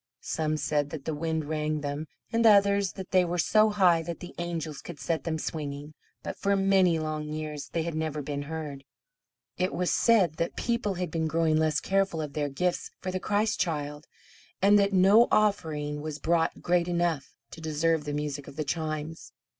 Some said that the wind rang them, and others, that they were so high that the angels could set them swinging. But for many long years they had never been heard. It was said that people had been growing less careful of their gifts for the Christ Child, and that no offering was brought great enough to deserve the music of the chimes.